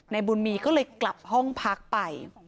บุญมีก็เลยกลับห้องพักไป